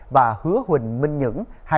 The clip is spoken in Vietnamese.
và hứa huỳnh minh những